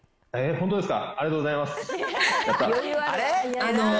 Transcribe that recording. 本当ですか？